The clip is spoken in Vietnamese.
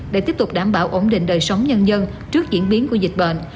để tiếp tục đảm bảo ổn định đời sống nhân dân trước diễn biến của dịch bệnh